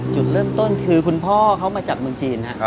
จุดเริ่มต้นคือคุณพ่อเขามาจากเมืองจีนครับ